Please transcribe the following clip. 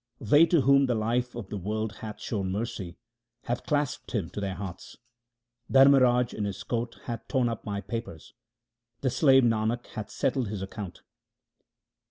They to whom the Life of the world hath shown mercy, have clasped Him to their hearts. Dharmraj in his court hath torn up my papers 1 ; the slave Nanak hath settled his account.